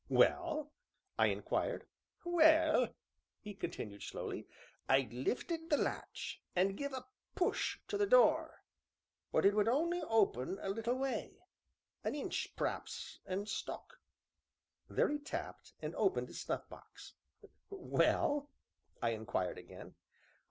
"Well?" I inquired. "Well," he continued slowly, "I lifted th' latch, an' give a push to the door, but it would only open a little way an inch, p'r'aps, an' stuck." Here he tapped, and opened his snuff box. "Well?" I inquired again.